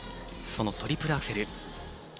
そのトリプルアクセル。